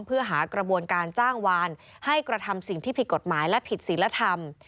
เพื่อหากระบวนการจ้างวานให้กระทำสิ่งที่ผิดกฎหมายและผิดศิลธรรม